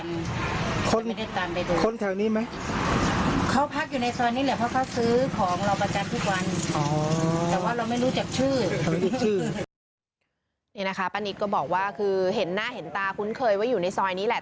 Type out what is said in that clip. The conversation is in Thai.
นี่นะคะป้านิตก็บอกว่าคือเห็นหน้าเห็นตาคุ้นเคยว่าอยู่ในซอยนี้แหละ